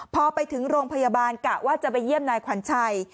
พอไปถึงโรงพยาบาลกะว่าจะไปเยี่ยมนายขวัญชัย